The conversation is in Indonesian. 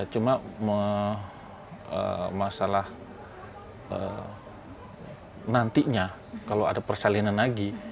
cuma masalah nantinya kalau ada persalinan lagi